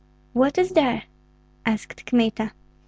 "What is there?" asked Kmita.